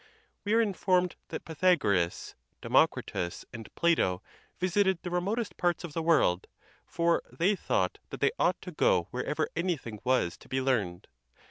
—We are informed that Pythagoras, Democritus, and Plato visited the remotest parts of the world; for they thought that they ought to go wherever anything was to be learned.